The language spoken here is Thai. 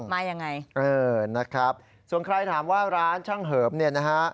มายังไงเออนะครับส่วนใครถามว่าร้านช่างเหิมเนี่ยนะฮะ